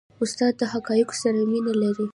استاد د حقایقو سره مینه لري.